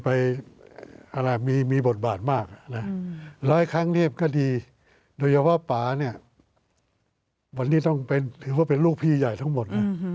ไปมีบทบาทมากหลายครั้งก็ดีโดยเฉพาะป่านี่วันนี้ถือว่าเป็นลูกพี่ใหญ่ทั้งหมด